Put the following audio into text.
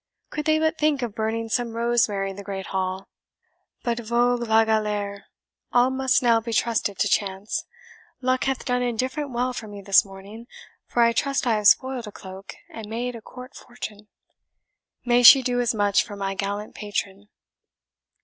Could they but think of burning some rosemary in the great hall! but VOGUE LA GALERE, all must now be trusted to chance. Luck hath done indifferent well for me this morning; for I trust I have spoiled a cloak, and made a court fortune. May she do as much for my gallant patron!"